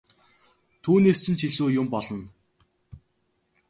Түүнээс чинь ч илүү юм болно!